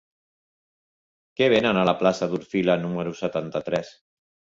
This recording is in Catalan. Què venen a la plaça d'Orfila número setanta-tres?